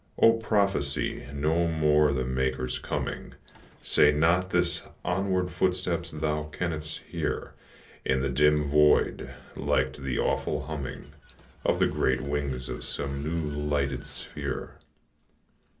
O, prophesy no more the Maker's coming, Say not his onward footsteps thou canst hear In the dim void, like to the awful humming Of the great wings of some new lighted sphere.